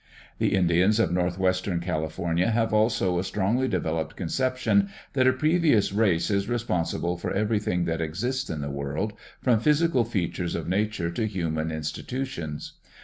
The Indians of northwestern California have also a strongly developed conception that a previous race is responsible for everything that exists in the world, from physical features of nature to human institutions.